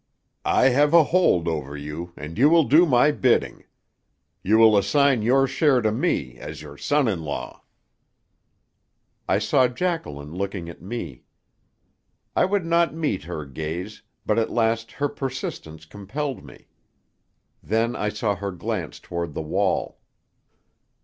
I have a hold over you, and you will do my bidding. You will assign your share to me as your son in law." I saw Jacqueline looking at me. I would not meet her gaze, but at last her persistence compelled me. Then I saw her glance toward the wall.